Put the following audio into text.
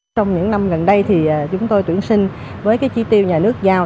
trong những năm gần đây thì chúng tôi tuyển sinh với cái trí tiêu nhà nước giao